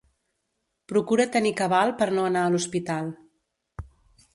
Procura tenir cabal per no anar a l'hospital.